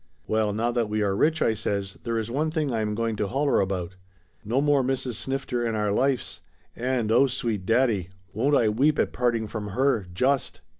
'" "Well, now that we are rich," I says, "there is one thing I am going to holler about. No more Mrs. Snifter in our lifes, and, oh sweet daddy; won't I weep at parting from her, just!"